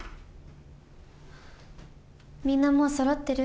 みんなもうそろってる？